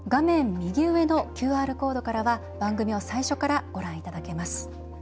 右上のＱＲコードからは番組を最初からご覧いただけます。